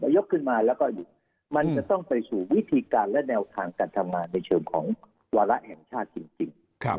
ยกขึ้นมาแล้วก็มันจะต้องไปสู่วิธีการและแนวทางการทำงานในเชิงของวาระแห่งชาติจริง